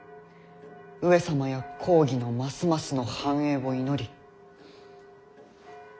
上様や公儀のますますの繁栄を祈り。